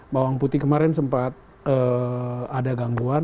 bawang putih kemarin sempat ada gangguan